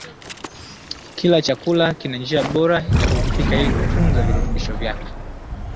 Kila chakula kina njia bora ya kukipika ili kutunza virutubishi vyake